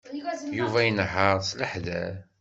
Yuba inehheṛ s leḥder.